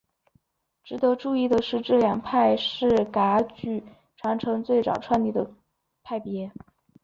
值得注意的是这两派是噶举传承最早创立的派别。